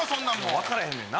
分かれへんねんな。